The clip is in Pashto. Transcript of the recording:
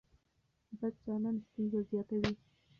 بد چلن ستونزه زیاتوي.